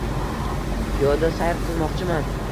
Piyoda sayr qilmoqchiman.